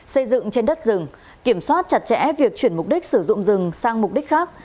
xây dựng trên đất rừng kiểm soát chặt chẽ việc chuyển mục đích sử dụng rừng sang mục đích khác